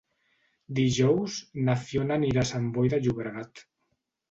Dijous na Fiona anirà a Sant Boi de Llobregat.